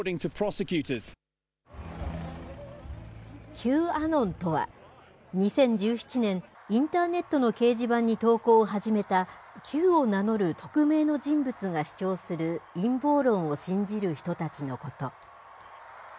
Ｑアノンとは、２０１７年、インターネットの掲示板に投稿を始めた、Ｑを名乗る匿名の人物が主張する陰謀論を信じる人たちのこと。